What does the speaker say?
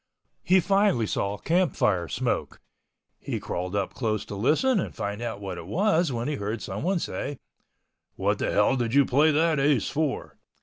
He finally saw campfire smoke. He crawled up close to listen and find out what it was, when he heard someone say, "What the hell did you play that ace for?"